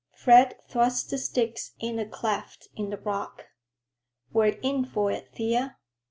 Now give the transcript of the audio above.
Fred thrust the sticks in a cleft in the rock. "We're in for it, Thea.